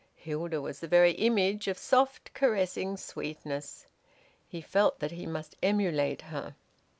Hilda was the very image of soft caressing sweetness. He felt that he must emulate her.